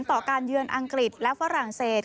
ต่อการเยือนอังกฤษและฝรั่งเศส